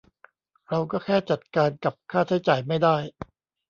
เราก็แค่จัดการกับค่าใช้จ่ายไม่ได้